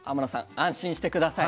安心して下さい。